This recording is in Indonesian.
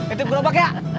itu kurupak ya